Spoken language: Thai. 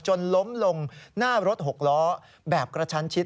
จนล้มลงหน้ารถหกล้อแบบกระชันชิด